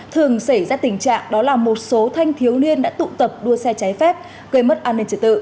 thường xảy ra tình trạng đó là một số thanh thiếu niên đã tụ tập đua xe trái phép gây mất an ninh trật tự